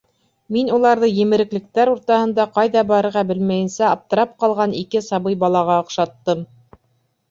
Мин уларҙы емереклектәр уртаһында ҡайҙа барырға белмәйенсә аптырап ҡалған ике сабый балаға оҡшаттым.